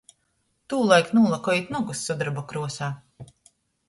Tūlaik nūlakojit nogus sudobra kruosā!